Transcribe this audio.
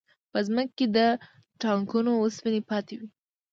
په ځمکو کې د ټانکونو وسپنې پاتې وې